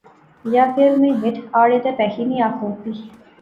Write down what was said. یا فیر میں ہیٹھ آڑے تے پیخی نی آخور دی